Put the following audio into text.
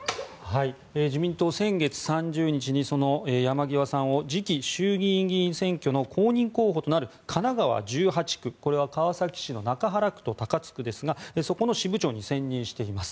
自民党、先月３０日にその山際さんを次期衆議院選挙の公認候補となる神奈川１８区これは川崎市の中原区と高津区ですがそこの支部長に選任しています。